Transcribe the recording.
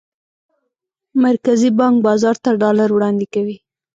مرکزي بانک بازار ته ډالر وړاندې کوي.